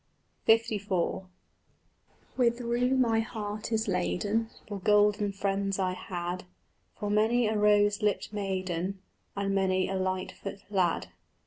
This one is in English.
LIV With rue my heart is laden For golden friends I had, For many a rose lipt maiden And many a lightfoot lad.